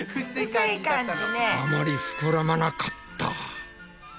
あまりふくらまなかった。